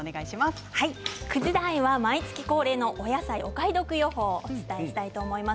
９時台は毎月恒例のお野菜お買い得予報をお届けしたいと思います。